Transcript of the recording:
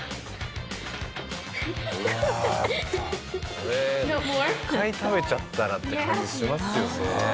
これ一回食べちゃったらって感じしますよね。